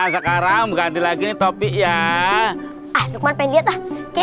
sekarang ganti lagi topik ya ah luqman pilih